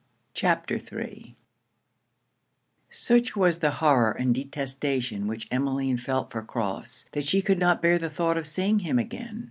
CHAPTER III Such was the horror and detestation which Emmeline felt for Crofts, that she could not bear the thoughts of seeing him again.